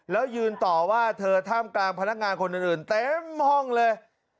แล้วยืนต่อว่าเธอท่ามกลางพนักงานคนอื่นเต็มห้องเลย